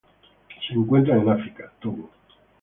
Se encuentran en África: Togo.